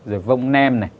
rồi vông nem này